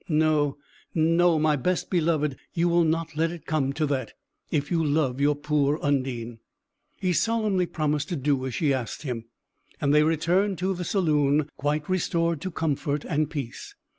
No, no, my best beloved; you will not let it come to that, if you love your poor Undine." He solemnly promised to do as she asked him, and they returned to the saloon, quite restored to comfort and peace.